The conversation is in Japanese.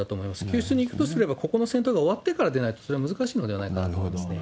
救出に行くとすれば、ここの戦闘が終わってからじゃないと、それは難しいのではないかなるほど。